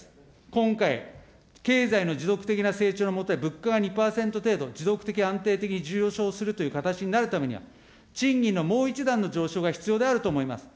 今回、経済の持続的な成長の下で、物価が２％程度、持続的安定的に上昇するということになった場合は、賃金のもう一段の上昇が必要であると思います。